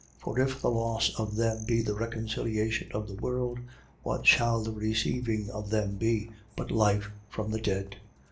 11:15. For if the loss of them be the reconciliation of the world, what shall the receiving of them be, but life from the dead?